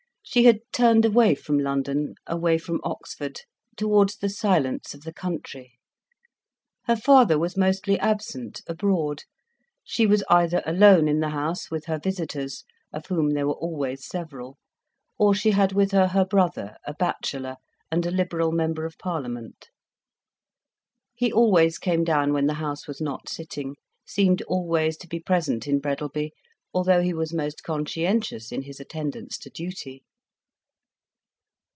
She had turned away from London, away from Oxford, towards the silence of the country. Her father was mostly absent, abroad, she was either alone in the house, with her visitors, of whom there were always several, or she had with her her brother, a bachelor, and a Liberal member of Parliament. He always came down when the House was not sitting, seemed always to be present in Breadalby, although he was most conscientious in his attendance to duty.